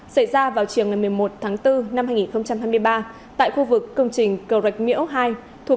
xảy ra vào chiều ngày một mươi một tháng bốn năm hai nghìn hai mươi ba tại khu vực công trình cầu rạch miễu hai thuộc